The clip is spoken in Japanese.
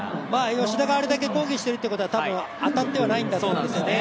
吉田があれだけ抗議しているということは当たってはいないんだと思いますね。